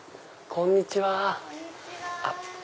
こんにちは。